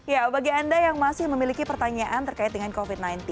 ya bagi anda yang masih memiliki pertanyaan terkait dengan covid sembilan belas